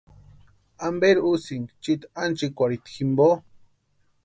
¿Amperi úsïni chiiti ánchikwarhita jimpo?